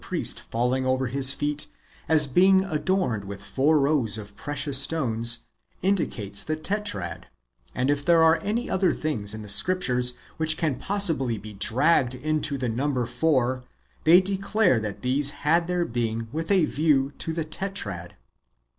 priest falling over his feet, as being adorned witli four rows of precious stones,^ indicates the Tetrad ; and if there are any other things in the Scriptures which can possibly be dragged into the number four, they declare that these had their being wath a view to the Tetrad.